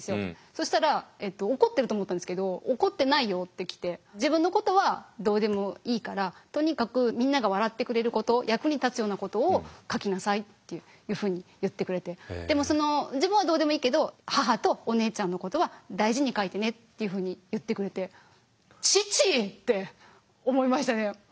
そしたら怒ってると思ったんですけど「怒ってないよ」って来て「自分のことはどうでもいいからとにかくみんなが笑ってくれること役に立つようなことを書きなさい」っていうふうに言ってくれてでも「自分はどうでもいいけど母とお姉ちゃんのことは大事に書いてね」っていうふうに言ってくれて「父！」って思いましたね。